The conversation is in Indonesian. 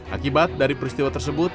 akibat dari peristiwa tersebut